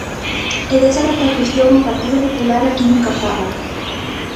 E desa repartición o Partido Popular aquí nunca fala.